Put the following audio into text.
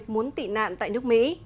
muốn tị nạn tại nước mỹ